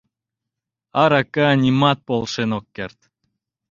Арака нимат полшен ок керт.